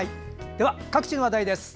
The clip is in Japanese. では各地の話題です。